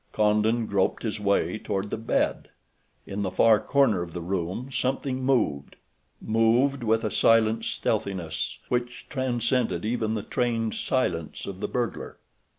Condon groped his way toward the bed. In the far corner of the room something moved—moved with a silent stealthiness which transcended even the trained silence of the burglar.